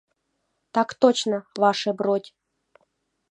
Так точно, ваше бродь!